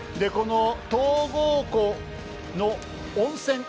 この東郷湖の温泉